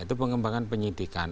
itu pengembangan penyidikan